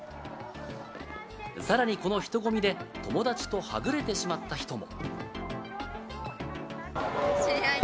さらにこの人混みで、友達とはぐれてしまった人も。